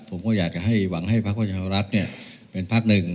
ผมก็อยากให้หวังให้ภาคบรรณอัตรรัฐเป็นภาคหนึ่ง